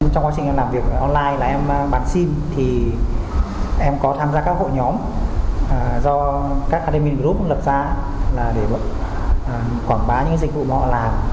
trong quá trình làm việc online em bán sim em có tham gia các hội nhóm do các admin group lập ra để quảng bá những dịch vụ mà họ làm